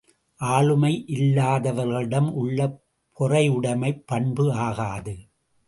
ஆளுமை இல்லாதவர்களிடம் உள்ள பொறையுடைமைப் பண்பு ஆகாது.